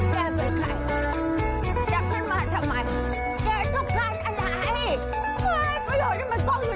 แกเป็นใครอ่ะจับขึ้นมาทำไมเจอทุกขาดอันไหน